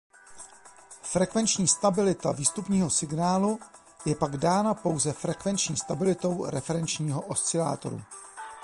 Frekvenční stabilita výstupního signálu je pak dána pouze frekvenční stabilitou referenčního oscilátoru.